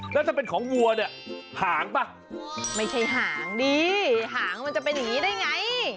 แล้วถ้าเป็นของวัวเนี่ยหางป่ะไม่ใช่หางดีหางมันจะเป็นอย่างนี้ได้ไง